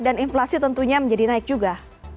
dan inflasi tentunya menjadi naik juga